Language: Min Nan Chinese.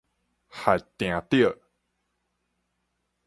乏定著